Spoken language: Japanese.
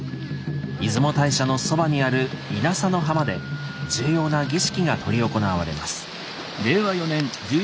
出雲大社のそばにある稲佐の浜で重要な儀式が執り行われます。